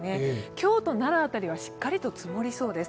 京都、奈良辺りはしっかりと積もりそうです。